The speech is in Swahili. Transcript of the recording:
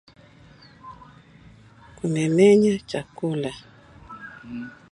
kumengenya chakula